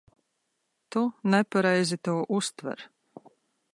Tu nepareizi to uztver.